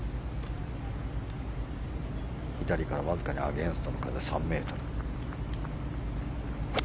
左からわずかのアゲンストの風３メートル。